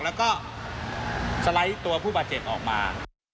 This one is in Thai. แล้วก็สไลด์ตัวผู้บาดเจ็บออกมา